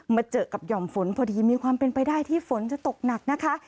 เจอกับหย่อมฝนพอดีมีความเป็นไปได้ที่ฝนจะตกหนักนะคะ